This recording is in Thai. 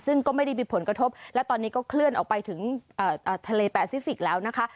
ซึ่งก็ไม่ได้มีผลกระทบและตอนนี้ก็เคลื่อนออกไปถึงทะเลแปซิฟิกแล้วนะคะ